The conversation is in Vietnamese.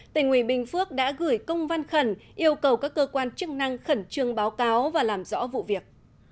tỉnh nguy bình phước đã gửi công văn khẩn yêu cầu các cơ quan chức năng khẩn trương báo cáo và làm rõ vụ việc